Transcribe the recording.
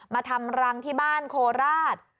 มาทำรังที่บ้านโคราช